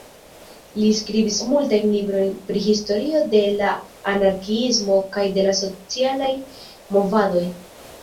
Li skribis multajn libron pri historio de la anarkiismo kaj de la socialaj movadoj.